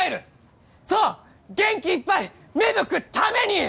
そう元気いっぱい芽吹くために！